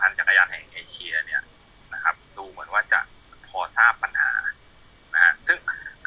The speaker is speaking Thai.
แล้วช่างคนนั้นเนี่ยหมอค่าเครื่องมือ